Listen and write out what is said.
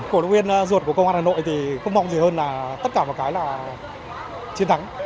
cổ động viên ruột của công an hà nội thì không mong gì hơn là tất cả một cái là chiến thắng